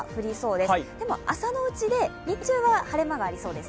でも朝のうちで日中は晴れ間がありそうです。